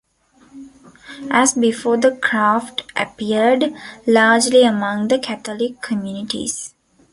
As before, the craft appeared largely among the Catholic communities.